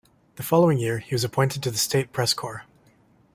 The following year, he was appointed to the State Press corps.